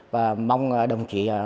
và mong đồng chí